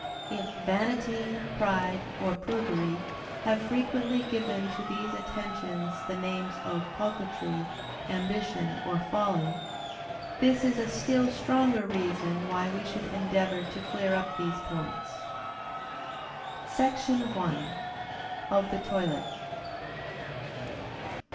If vanity, pride, or prudery, have frequently given to these attentions the names of coquetry, ambition, or folly, this is a still stronger reason, why we should endeavor to clear up these points. SECTION I. _Of the toilet.